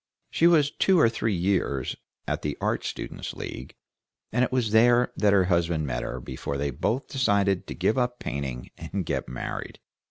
She was two or three years at the Art Students' League, and it was there that her husband met her before they both decided to give up painting and get married.